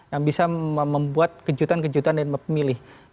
yang bisa membuat kejutan kejutan dan memilih